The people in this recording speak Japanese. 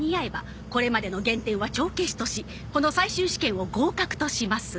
これまでの減点は帳消しとしこの最終試験を合格とします。